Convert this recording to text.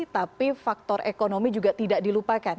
tapi faktor ekonomi juga tidak dilupakan